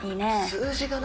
数字がな。